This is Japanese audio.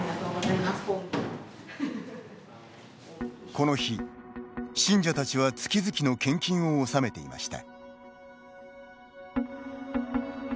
この日、信者たちは月々の献金を納めていました。